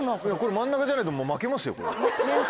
真ん中じゃないともう負けますよこれ。